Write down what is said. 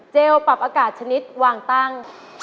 ปรับอากาศชนิดวางตั้ง